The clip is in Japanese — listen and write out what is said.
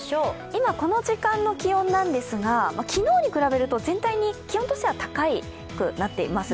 今この時間の気温なんですが、昨日に比べると全体に気温としては高くなっています。